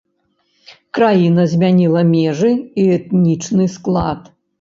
Краіна змяніла межы і этнічны склад.